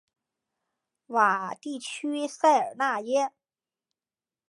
瓦地区塞尔维耶。